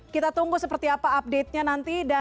kita tunggu seperti apa update nya nanti